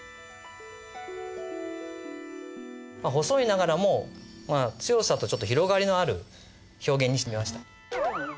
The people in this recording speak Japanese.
細いながらも強さと広がりのある表現にしてみました。